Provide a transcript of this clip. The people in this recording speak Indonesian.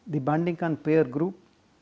dibandingkan peer group